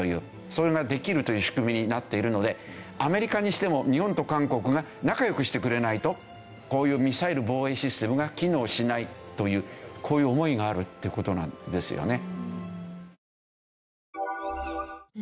それができるという仕組みになっているのでアメリカにしても日本と韓国が仲良くしてくれないとこういうミサイル防衛システムが機能しないというこういう思いがあるって事なんですよね。